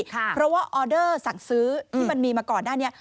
เพราะว่าออเดอร์สั่งซื้อที่มันมีมาก่อนหน้านี้